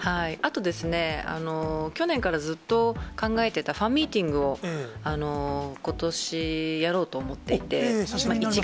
あとですね、去年からずっと考えてたファンミーティングを、ことし、やろうと久しぶりに。